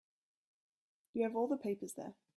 You have all the papers there.